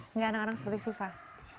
enggak anak anak seperti syufah